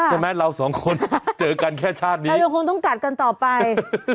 ใช่ไหมเราสองคนเจอกันแค่ชาตินี้เรายังคงต้องกัดกันต่อไป